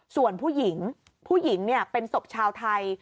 ส่วนผู้หญิงผู้หญิงเป็นศพชาวไทย